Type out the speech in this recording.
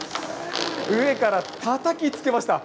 上からたたきつけました。